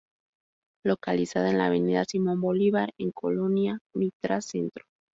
Localizada en la Avenida Simón Bolívar En Colonia Mitras Centro.